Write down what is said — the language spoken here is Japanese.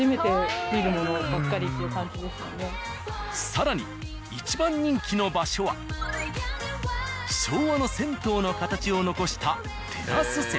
更に一番人気の場所は昭和の銭湯の形を残したテラス席。